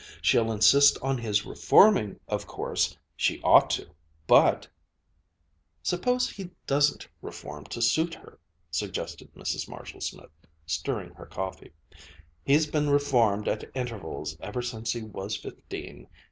She'll insist on his reforming, of course she ought to but " "Suppose he doesn't reform to suit her," suggested Mrs. Marshall Smith, stirring her coffee. "He's been reformed at intervals ever since he was fifteen.